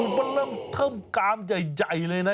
มันเริ่มเทิมกามใหญ่เลยนะ